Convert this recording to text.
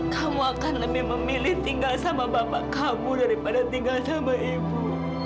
kamu akan lebih memilih tinggal sama bapak kamu daripada tinggal sama ibu